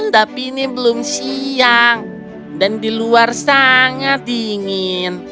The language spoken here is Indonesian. tapi ini belum siang dan di luar sangat dingin